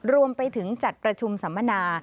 รวมไปถึงจัดประชุมสัมมนา